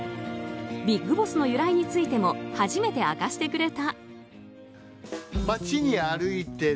ビッグボスの由来についても初めて明かしてくれた。